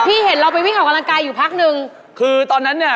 เห็นเราไปวิ่งออกกำลังกายอยู่พักหนึ่งคือตอนนั้นเนี่ย